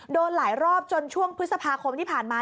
โดนหลายรอบจนช่วงพฤษภาคมที่ผ่านมา